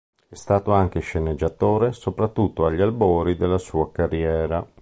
È stato anche sceneggiatore, soprattutto agli albori della sua carriera.